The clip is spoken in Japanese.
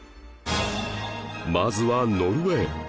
まずはノルウェー